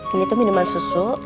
ini tuh minuman susu